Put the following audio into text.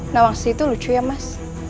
nawangsi itu lucu ya mas